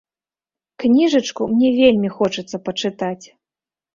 Кніжачку мне вельмі хочацца пачытаць.